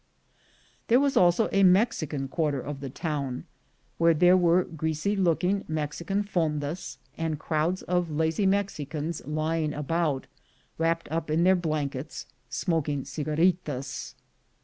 There was also a Mexican quarter of the town, where there were greasy looking Mexican fondas, and crowds of lazy Mexicans lying about, wrapped up in their blankets, smoking cigaritas.